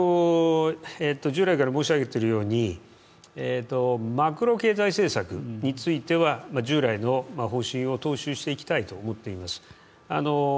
従来から申し上げているようにマクロ経済政策については従来の方針を踏襲していきたいと思っております。